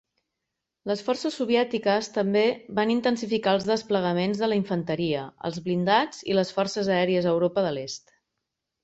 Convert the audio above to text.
Les forces soviètiques també van intensificar els desplegaments de la infanteria, els blindats i les forces aèries a Europa de l'Est.